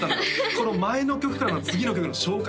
この前の曲からの次の曲の紹介